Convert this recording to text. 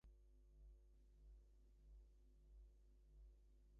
There is also a district on the island of Upolu in Samoa called Atua.